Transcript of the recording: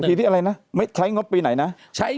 ของทีที่อะไรนะใช้งบปีไหนนะ